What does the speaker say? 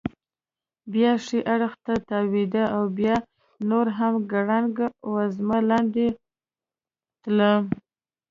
بیا ښي اړخ ته تاوېده او بیا نور هم ګړنګ وزمه لاندې تلی.